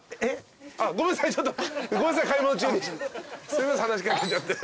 すいません話し掛けちゃって。